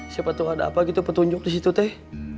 siapa tuh ada apa gitu petunjuk disitu teh